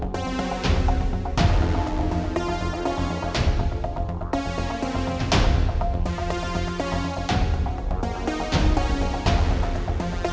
gerebat ini bisa menjadi suatu tuntutan jahat di dalam kataslombur